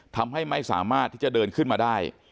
ทำให้ไม่สามารถที่จะเดินขึ้นมาได้